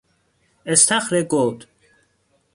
استخر گود